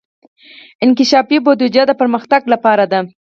انکشافي بودجه د پرمختګ لپاره ده